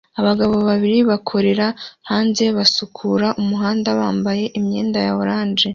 Abagabo babiri bakorera hanze basukura umuhanda bambaye imyenda ya orange